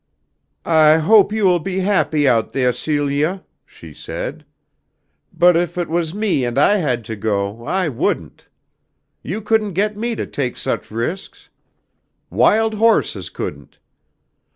"I hope you will be happy out theah, Celia," she said; "but if it was me and I had to go, I wouldn't. You couldn't get me to take such risks. Wild horses couldn't.